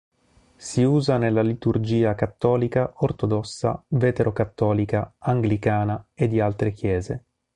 Si usa nella liturgia cattolica, ortodossa, vetero-cattolica, anglicana e di altre Chiese.